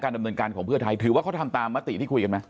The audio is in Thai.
ดำเนินการของเพื่อไทยถือว่าเขาทำตามมติที่คุยกันไหม